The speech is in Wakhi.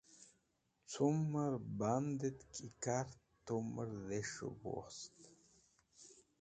Cumẽr bandẽt ki kart tumẽr dhes̃heb wost.